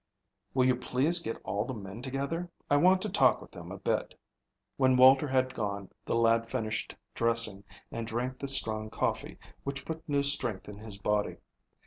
Will you please get all the men together? I want to talk with them a bit." When Walter had gone the lad finished dressing and drank the strong coffee, which put new strength in his body.